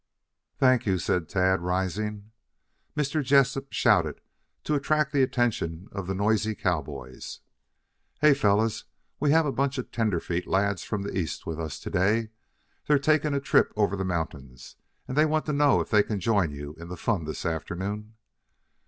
"Thank you," said Tad, rising. Mr. Jessup shouted to attract the attention of the noisy cowboys. "Hey, fellows, we have a bunch of tenderfeet lads from the East with us to day. They're taking a trip over the mountains and they want to know if they can join you in the fun this afternoon?"